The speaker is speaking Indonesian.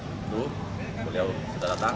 itu beliau sudah datang